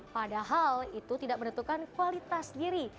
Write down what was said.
padahal itu tidak menentukan kualitas diri